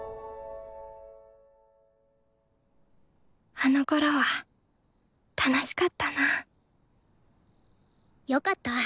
あのころは楽しかったなぁよかった。